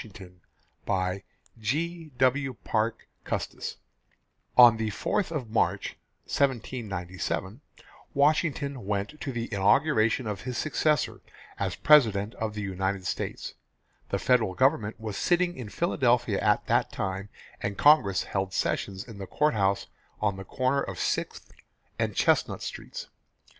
CHAPTER XVII GEORGE WASHINGTON On the 4th of March, 1797, Washington went to the inauguration of his successor as President of the United States. The Federal Government was sitting in Philadelphia at that time and Congress held sessions in the courthouse on the corner of Sixth and Chestnut Streets.